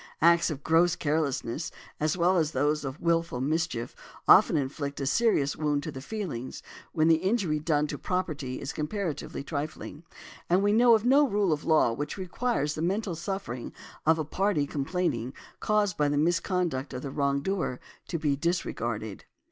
Acts of gross carelessness as well as those of wilful mischief often inflict a serious wound to the feelings, when the injury done to property is comparatively trifling, and we know of no rule of law which requires the mental suffering of the party complaining, caused by the misconduct of the wrong doer, to be disregarded .